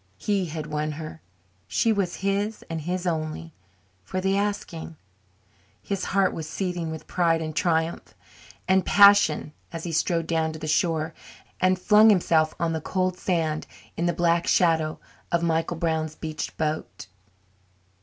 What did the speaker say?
He had won her; she was his and his only, for the asking. His heart was seething with pride and triumph and passion as he strode down to the shore and flung himself on the cold sand in the black shadow of Michael Brown's beached boat.